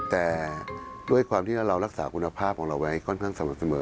แต่ด้วยความที่เรารักษาคุณภาพของเราไว้ค่อนข้างสม่ำเสมอ